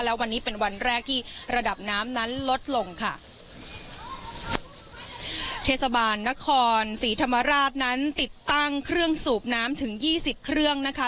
และวันนี้เป็นวันแรกที่ระดับน้ำนั้นลดลงค่ะเทศบาลนครศรีธรรมราชนั้นติดตั้งเครื่องสูบน้ำถึงยี่สิบเครื่องนะคะ